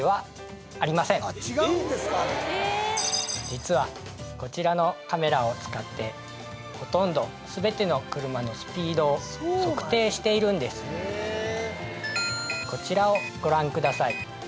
実はこちらのカメラを使ってほとんど全ての車のスピードを測定しているんですこちらをご覧ください